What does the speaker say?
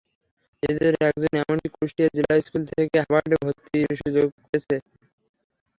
এদের একজন এমনকি কুষ্টিয়া জিলা স্কুল থেকে হার্ভার্ডে ভর্তির সুযোগ পেয়েছে।